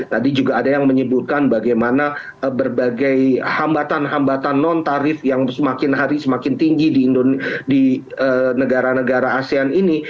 tadi juga ada yang menyebutkan bagaimana berbagai hambatan hambatan non tarif yang semakin hari semakin tinggi di negara negara asean ini